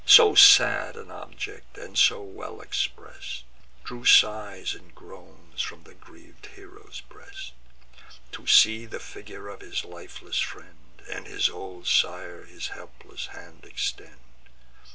So sad an object, and so well express'd, Drew sighs and groans from the griev'd hero's breast, To see the figure of his lifeless friend, And his old sire his helpless hand extend.